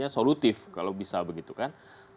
solutif kalau bisa begitu kan